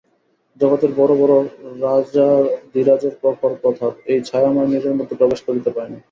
জগতের বড়ো বড়ো রাজাধিরাজের প্রখর প্রতাপ এই ছায়াময় নীড়ের মধ্যে প্রবেশ করিতে পায় না।